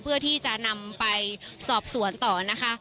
เพื่อที่จะนำไปสอบสวนต่อนะคะ